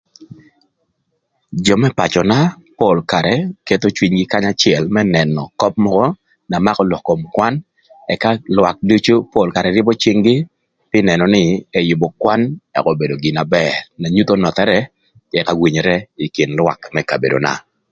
Jö më pacöna pol karë ketho cwinygï kanya acël më nënö köp mökö na makö lok kom kwan ëka lwak ducu pol karë rïbö cïng-gï pï nënö nï ëyübö kwan ëka obedo gin na bër na nyutho nöthërë ëka winyere ï kin lwak më kabedona.